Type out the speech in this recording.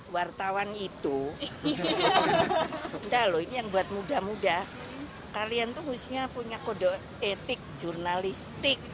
wartawan itu enggak loh ini yang buat muda muda kalian tuh khususnya punya kode etik jurnalistik